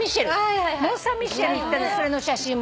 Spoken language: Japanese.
モンサンミシェル行ったんでそれの写真も。